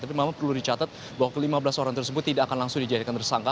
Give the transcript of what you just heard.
tapi memang perlu dicatat bahwa kelima belas orang tersebut tidak akan langsung dijadikan tersangka